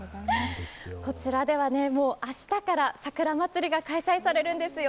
こちらでは明日から桜まつりが開催されるんですよ。